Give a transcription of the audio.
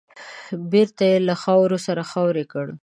بېرته يې له خاورو سره خاورې کړ .